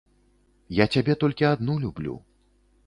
Я цябе толькі адну люблю.